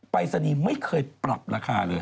รายศนีย์ไม่เคยปรับราคาเลย